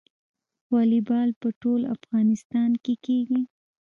والیبال په ټول افغانستان کې کیږي.